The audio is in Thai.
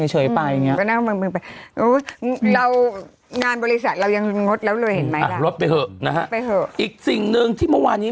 หลับไปเหอะนะฮะไปเหอะอีกสิ่งหนึ่งที่เมื่อวานยัง